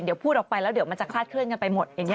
เดี๋ยวพูดออกไปแล้วเดี๋ยวมันจะคลาดเคลื่อนกันไปหมดอย่างนี้